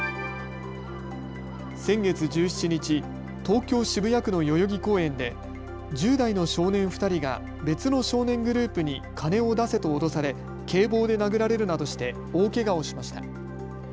先月１７日、東京渋谷区の代々木公園で１０代の少年２人が別の少年グループに金を出せと脅され警棒で殴られるなどして大けがをしました。